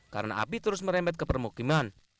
karena api terus meremet ke permukiman